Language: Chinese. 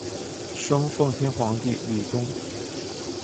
生奉天皇帝李琮。